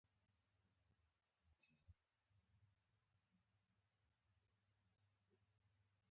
هو د بزګر لپاره ځمکه د کار موضوع ده.